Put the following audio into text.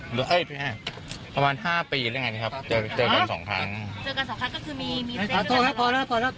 หรือเอ้ยประมาณห้าปีหรือยังไงครับเจอกันสองครั้งเจอกันสองครั้งก็คือมี